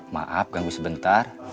maaf ganggu sebentar